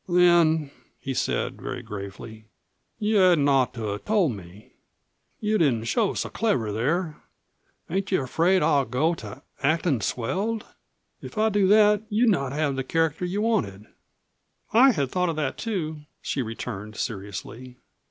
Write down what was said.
"Then," he said, very gravely, "you hadn't ought to have told me. You didn't show so clever there. Ain't you afraid that I'll go to actin' swelled? If I do that, you'd not have the character you wanted." "I had thought of that, too," she returned seriously.